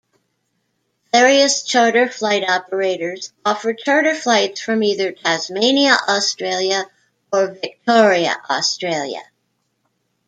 Various charter flight operators offer charter flights from either Tasmania, Australia or Victoria, Australia.